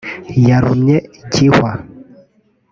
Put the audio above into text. Yarumye Gihwa